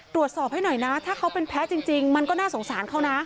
ตรวจสอบให้หน่อยนะถ้าเขาเป็นแพ้จริงมันก็น่าสงสารเขานะ